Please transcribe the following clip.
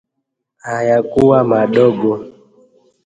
Hayakuwa madogo